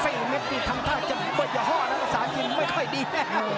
เฟ่เมตต์ที่ทำท่าจะเปิดยอห้อนักษาเย็นไม่ค่อยดีนะครับ